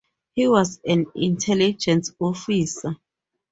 He was an intelligence officer.